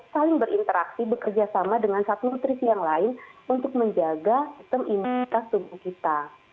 saling berinteraksi bekerja sama dengan satu nutrisi yang lain untuk menjaga sistem imunitas tubuh kita